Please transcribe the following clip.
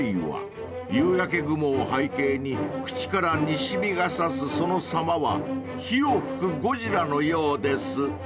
［夕焼け雲を背景に口から西日が差すそのさまは火を噴くゴジラのようです］